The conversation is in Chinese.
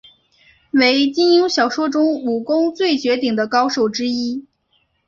为金庸小说中武功最绝顶的高手之一。